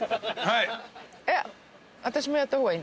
はい。